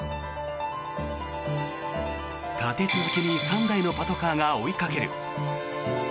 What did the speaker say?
立て続けに３台のパトカーが追いかける。